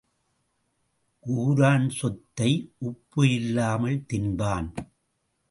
ஊரான் சொத்தை உப்பு இல்லாமல் தின்பான்.